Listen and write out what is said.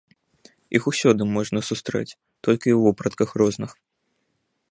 Іх усюды можна сустрэць, толькі ў вопратках розных.